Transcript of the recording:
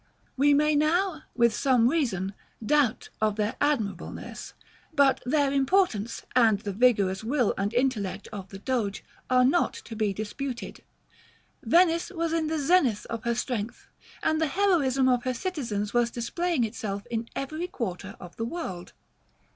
We may now, with some reason, doubt of their admirableness; but their importance, and the vigorous will and intellect of the Doge, are not to be disputed. Venice was in the zenith of her strength, and the heroism of her citizens was displaying itself in every quarter of the world.